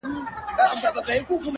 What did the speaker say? • پر دې لاره به یې سل ځلی وه وړي,